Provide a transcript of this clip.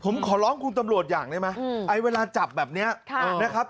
ผมขอร้องคุณตำรวจอย่างได้ไหมไอ้เวลาจับแบบนี้นะครับ